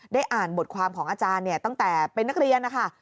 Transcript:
ได้อ่านบทความของอาจารย์ตั้งแต่เป็นนักเรียนนะคะ